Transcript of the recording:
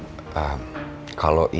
ini semua emang kesalahan saya kok